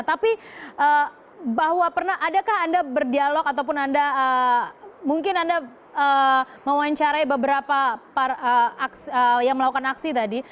tapi adakah anda berdialog atau mungkin anda mewawancarai beberapa yang melakukan aksi tadi